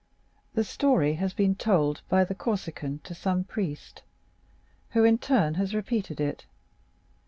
The story has been told by the Corsican to some priest, who in his turn has repeated it.